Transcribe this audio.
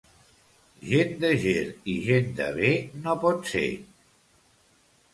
Gent de Ger i gent de bé no pot ser.